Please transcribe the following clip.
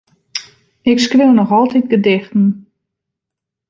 Ik skriuw noch altyd gedichten.